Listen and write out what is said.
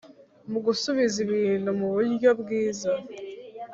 mu gusubiza ibintu mu buryo bwiza